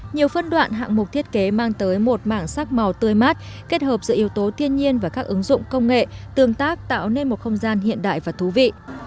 nhiều phân đoạn hạng mục thiết kế mang tới một mảng sắc màu tươi mát kết hợp giữa yếu tố thiên nhiên và các ứng dụng công nghệ tương tác tạo nên một không gian hiện đại và thú vị